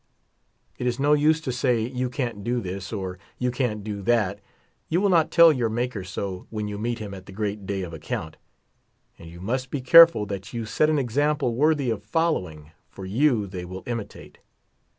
It is no use to say, you can't do this, or, you can't do that : you will not tell your Maker so, when you meet him at the great day of account. And you must be careful that you set an example worthy of following, for you they will imitate.